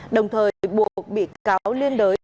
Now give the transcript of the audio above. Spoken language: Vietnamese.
đồng thời buộc bị cáo liên đối